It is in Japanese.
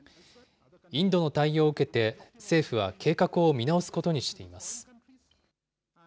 インドの対応を受けて政府は計画を見直すことにしています。